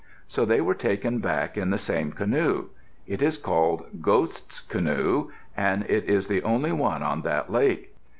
So they were taken back in the same canoe. It is called Ghost's Canoe and it is the only one on that lake.